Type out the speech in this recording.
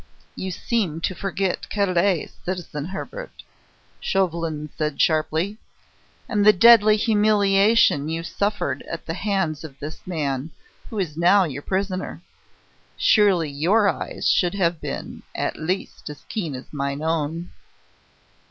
"You seem to forget Calais, citizen Hebert," Chauvelin said sharply, "and the deadly humiliation you suffered then at the hands of this man who is now your prisoner. Surely your eyes should have been, at least, as keen as mine own."